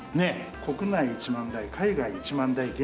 国内１万台海外１万台限定で。